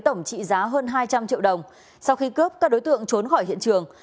tổng trị giá hơn hai trăm linh triệu đồng sau khi cướp các đối tượng trốn khỏi hiện trường